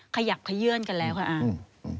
ขยับขยื่นกันแล้วค่ะอาร์